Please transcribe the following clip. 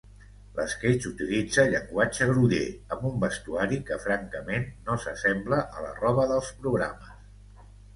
L'esquetx utilitza llenguatge groller, amb un vestuari que, francament, no s'assembla a la roba dels programes.